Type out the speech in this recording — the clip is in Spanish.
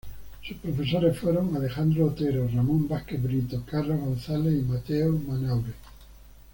Sus profesores fueron Alejandro Otero, Ramón Vásquez Brito, Carlos Gonzáles y Mateo Manaure.